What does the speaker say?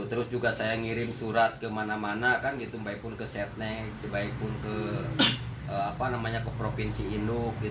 terus juga saya ngirim surat kemana mana baik pun ke setnek baik pun ke provinsi induk